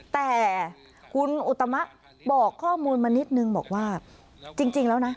แต่คุณอุตมะบอกข้อมูลมานิดนึงบอกว่าจริงแล้วนะ